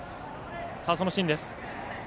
そのシーンです。